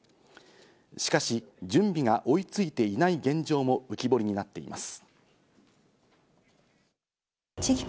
しかし準備が追いついていない現状も浮き彫りになっています。